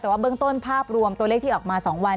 แต่ว่าเบื้องต้นภาพรวมตัวเลขที่ออกมา๒วัน